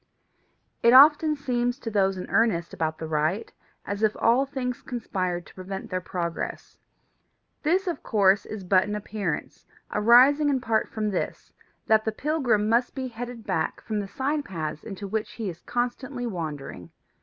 It often seems to those in earnest about the right as if all things conspired to prevent their progress. This of course is but an appearance, arising in part from this, that the pilgrim must be headed back from the side paths into which he is constantly wandering.